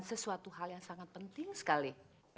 sesuatu hal yang sangat penting sekali